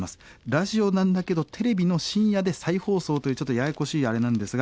ラジオなんだけどテレビの深夜で再放送というちょっとややこしいあれなんですが。